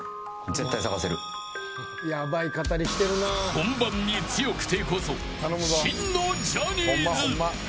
本番に強くてこそ真のジャニーズ。